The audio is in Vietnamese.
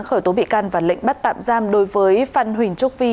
khởi tố bị can và lệnh bắt tạm giam đối với phan huỳnh trúc vi